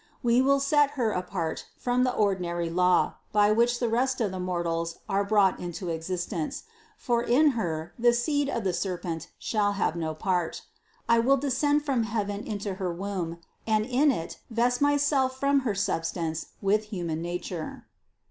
We will set Her apart from the ordinary law, by which the rest of the mortals are brought into existence, for in Her the seed of the ser pent shall have no part. I will descend from heaven into her womb and in it vest Myself from her substance with human nature."